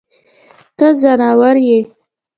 ته ځناور يې.